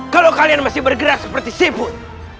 kalau kalian masih bergerak seperti seafood